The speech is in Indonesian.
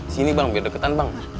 sini bang biar deketan